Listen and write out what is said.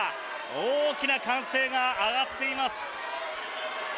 大きな歓声が上がっています。